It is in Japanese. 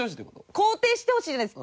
肯定してほしいんじゃないです。